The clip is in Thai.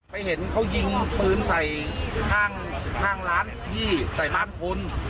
เห็นเขายิงปืนใส่ข้างร้านพี่ใส่ร้านคุณ